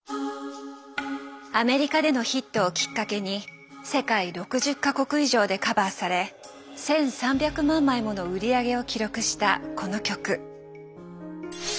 アメリカでのヒットをきっかけに世界６０か国以上でカバーされ１，３００万枚もの売り上げを記録したこの曲。